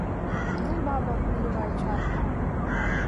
Ну, баба, налівай чарку.